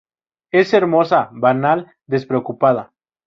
Es hermosa, banal, despreocupada.